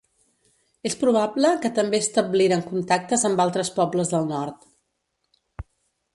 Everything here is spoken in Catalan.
És probable que també establiren contactes amb altres pobles del nord.